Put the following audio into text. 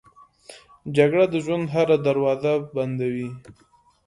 جګړه د ژوند هره دروازه بندوي